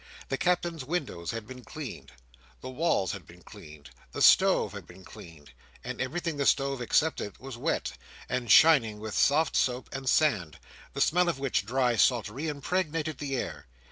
The Captain's windows had been cleaned, the walls had been cleaned, the stove had been cleaned, and everything the stove excepted, was wet, and shining with soft soap and sand: the smell of which dry saltery impregnated the air.